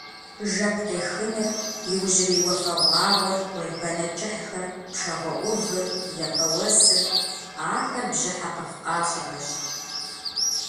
Жэп къехыныр, иужьрей уафэгъуагъуэр, уэлбанэ кӏыхьхэр, пшагъуэ ӏувыр, япэ уэсыр – ахэр бжьыхьэ къэхъукъащӏэхэщ.